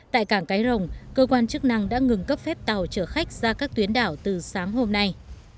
tại cảng cái rồng cơ quan chức năng đã ngừng cấp phép tàu chở khách ra các tuyến đảo từ sáng hôm nay